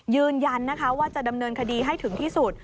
ยืนยันนะคะว่าจะดำเนินคดีให้ถึงที่สุด